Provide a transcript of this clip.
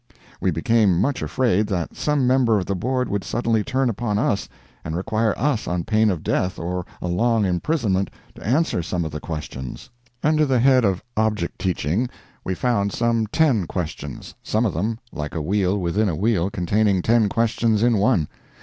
We became much afraid that some member of the Board would suddenly turn upon us and require us on pain of death or a long imprisonment, to answer some of the questions. Under the head of "Object Teaching," we found some ten questions—some of them, like a wheel within a wheel, containing ten questions in one.